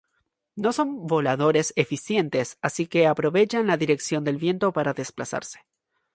No son voladores eficientes así que aprovechan la dirección del viento para desplazarse.